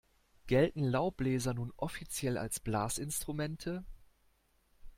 Gelten Laubbläser nun offiziell als Blasinstrumente?